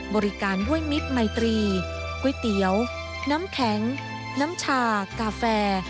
บริการด้วยมิตรไมตรีก๋วยเตี๋ยวน้ำแข็งน้ำชากาแฟ